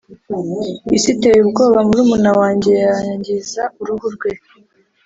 isi iteye ubwoba murumuna wanjye yangiza uruhu rwe.